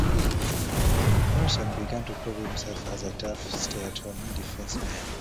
Morrisonn began to prove himself as a tough, stay-at-home defenceman.